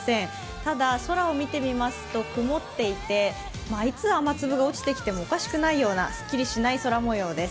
ただ、空をみてみますと曇っていていつ雨粒が落ちてきてもおかしくないような、すっきりしない空模様です。